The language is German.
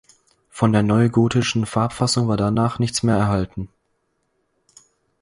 Von der neugotischen Farbfassung war danach nichts mehr erhalten.